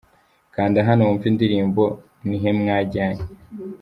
Kanda hano wumve indirimbo Nihe mwajyanye.